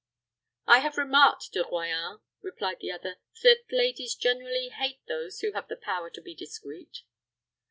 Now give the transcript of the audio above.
"I have remarked, De Royans," replied the other, "that ladies generally hate those who have the power to be discreet."